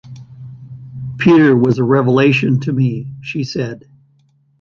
"Peter was a revelation to me," she said.